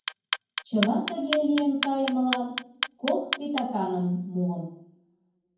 Чыла тыге лийын кайымылан кок титаканым муым.